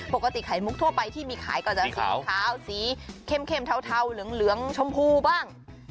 ปกติไข่มุกทั่วไปที่มีขายก็จะสีขาวสีเข้มเทาเหลืองชมพูบ้าง